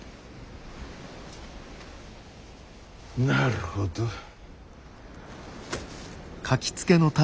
なるほど。